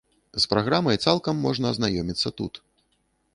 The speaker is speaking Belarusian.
З праграмай цалкам можна азнаёміцца тут.